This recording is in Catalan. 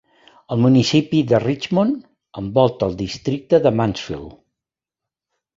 El municipi de Richmond envolta el districte de Mansfield.